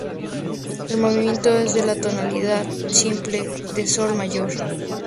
El movimiento es en la tonalidad simple de Sol mayor.